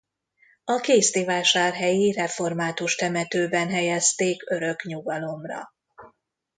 A kézdivásárhelyi református temetőben helyezték örök nyugalomra.